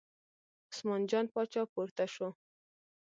عثمان جان پاچا پورته شو.